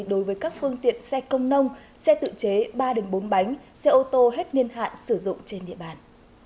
đối với các phương tiện xe công nông xe tự chế ba bốn bánh xe ô tô hết niên hạn sử dụng trên địa bàn